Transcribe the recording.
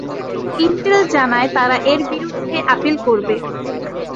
Intel জানায় তারা এর বিরুদ্ধে আপিল করবে।